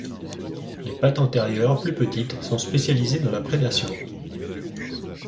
Les pattes antérieures, plus petites, sont spécialisées dans la prédation.